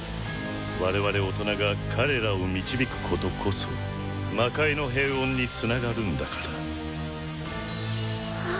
我々大人が彼らを導くことこそ魔界の平穏につながるんだから」。